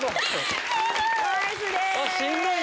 しんどい！